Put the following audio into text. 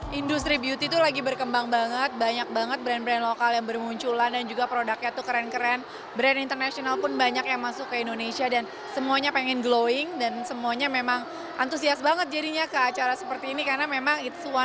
hai industri beauty itu lagi berkembang banget banyak banget brand brand lokal yang bermunculan dan juga produknya tuh keren keren brand international pun banyak yang masih ke indonesia dan semuanya pengen glowing dan semuanya memang antusias banget jadinya ke acara seperti ini karena memang itu suara